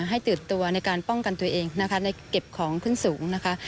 ให้ตื่นตัวในการป้องกันตัวเองนะคะในเก็บของขึ้นสูงนะคะ